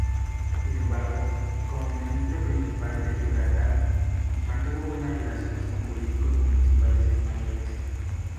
Sin embargo, como ministro principal de Gibraltar, mantuvo buenas relaciones con políticos municipales españoles.